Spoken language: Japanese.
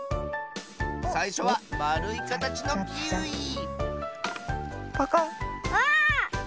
さいしょはまるいかたちのキウイパカッ。